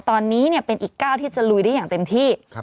ตอนนี้เป็นอีกก้าวที่จะลุยได้อย่างเต็มที่